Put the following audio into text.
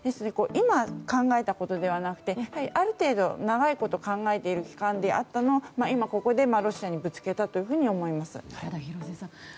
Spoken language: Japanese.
今、考えたことではなくてある程度、長いこと考えている期間があったのを今、ここでロシアにぶつけたと思います。